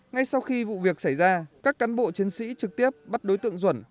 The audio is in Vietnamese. ngay sau khi vụ việc xảy ra các cán bộ chiến sĩ trực tiếp bắt đối tượng duẩn